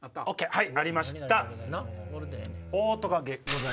はい！